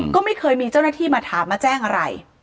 ก็ไม่เคยมีเจ้าหน้าที่มาถามมาแจ้งอะไร